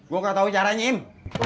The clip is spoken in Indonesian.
gue gak tau caranya im